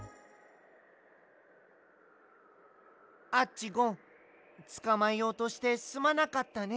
アッチゴンつかまえようとしてすまなかったね。